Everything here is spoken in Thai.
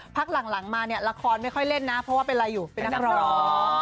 พักหลังมาเนี่ยละครไม่ค่อยเล่นนะเพราะว่าเป็นอะไรอยู่เป็นนักร้อง